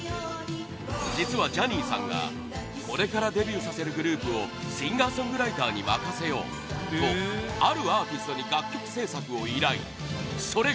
実は、ジャニーさんがこれからデビューさせるグループをシンガーソングライターに任せようとあるアーティストに楽曲制作を依頼、それが